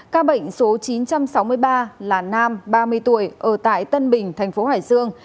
ca bệnh số chín trăm sáu mươi ba là nam ba mươi tuổi ở tại tân bình tp hải dương